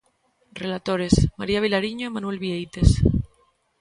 Relatores: María Vilariño e Manuel Vieites.